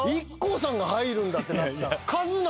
ＩＫＫＯさんが入るんなら。